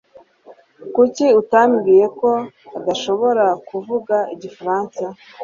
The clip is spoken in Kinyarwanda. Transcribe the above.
Kuki utambwiye ko adashobora kuvuga igifaransa?